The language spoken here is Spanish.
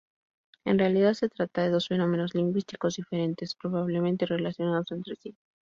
En realidad se trata de dos fenómenos lingüísticos diferentes, probablemente relacionados entre sí.